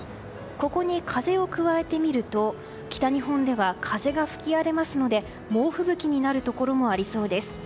ここに風を加えてみると北日本では風が吹き荒れますので猛吹雪になるところもありそうです。